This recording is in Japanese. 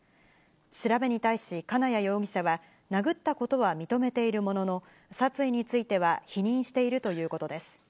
調べに対し金谷容疑者は殴ったことは認めているものの、殺意については否認しているということです。